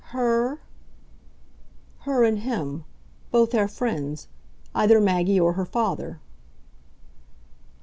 "'Her'?" "Her and him. Both our friends. Either Maggie or her father."